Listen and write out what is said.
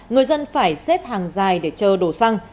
người dân phải xếp hàng dài để chờ đổ xăng